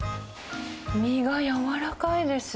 身が軟らかいです。